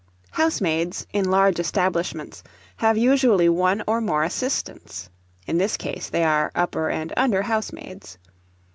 Housemaids, in large establishments, have usually one or more assistants; in this case they are upper and under housemaids.